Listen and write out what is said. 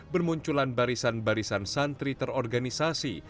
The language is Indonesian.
bermunculan barisan barisan santri terorganisasi